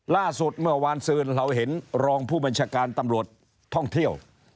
ล่าสุดเมื่อวานซืนเราเห็นรองผู้บัญชาการตำรวจท่องเที่ยว